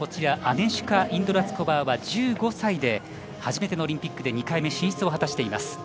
アネシュカ・インドゥラツコバーは１５歳で初めてのオリンピックで２回目進出を果たしています。